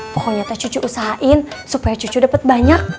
pokoknya teh cucu usahain supaya cucu dapat banyak